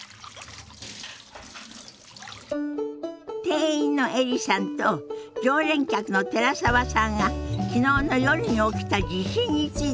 店員のエリさんと常連客の寺澤さんが昨日の夜に起きた地震について話してるみたい。